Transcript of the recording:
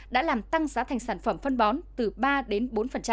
đã làm tăng giá thành sản phẩm phân bón từ ba đến bốn